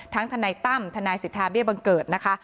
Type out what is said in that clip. ทั้งทนายต้ำทนายสิทธาเบียบังเกิร์ตนะคะ